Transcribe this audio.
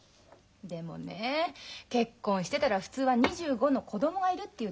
でもね結婚してたら普通は２５の子供がいるっていう年よ。